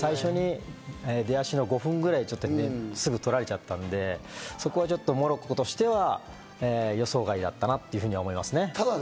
最初の出足の５分ぐらいで、すぐ取られちゃったんで、そこはちょっと、モロッコとしては予想外だったなというふうに思いますね。